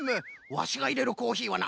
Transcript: ワシがいれるコーヒーはな